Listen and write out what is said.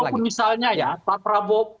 atau kalau misalnya ya pak prabowo